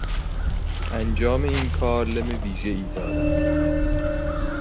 انجام این کار لم ویژهای دارد.